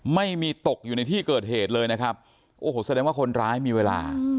ไม่มีตกอยู่ในที่เกิดเหตุเลยนะครับโอ้โหแสดงว่าคนร้ายมีเวลา